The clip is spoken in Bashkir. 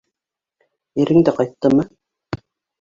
Ирең дә ҡайттымы?